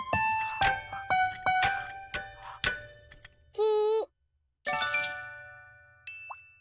き。